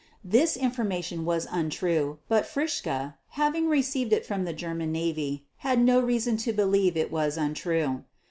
This information was untrue; but Fritzsche, having received it from the German Navy, had no reason to believe it was untrue.